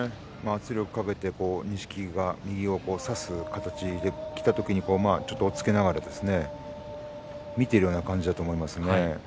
圧力をかけて錦木が右を差す形できた時にちょっと押っつけながら見ているような感じだと思います。